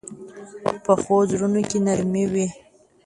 پخو زړونو کې نرمي وي